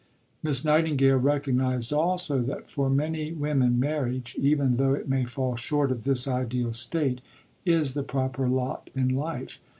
Miss Nightingale recognized also that for many women marriage, even though it may fall short of this ideal state, is the proper lot in life.